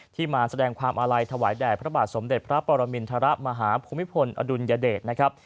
มาแสดงความอาลัยถวายแด่พระบาทสมเด็จพระปรมินทรมาฮภูมิพลอดุลยเดชนะครับ